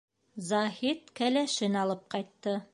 ...Заһит кәләшен алып ҡайтты.